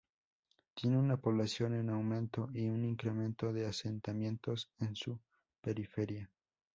Tiene una población en aumento, y un incremento de asentamientos en su periferia.